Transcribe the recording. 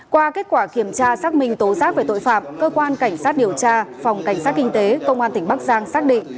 qua kết quả kiểm tra xác minh tố giác về tội phạm cơ quan cảnh sát điều tra phòng cảnh sát kinh tế công an tỉnh bắc giang xác định